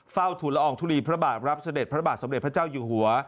ฝุ่นละอองทุลีพระบาทรับเสด็จพระบาทสมเด็จพระเจ้าอยู่หัว